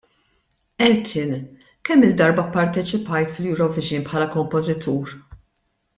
Elton, kemm-il darba pparteċipajt fil-Eurovision bħala kompożitur?